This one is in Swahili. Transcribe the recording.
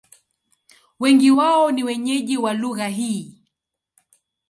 Wengi wao ni wenyeji wa lugha hii.